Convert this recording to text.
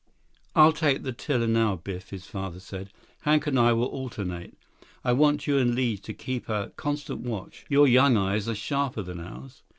"I'll take the tiller now, Biff,'" his father said. "Hank and I will alternate. I want you and Li to keep a constant watch. Your young eyes are sharper than ours."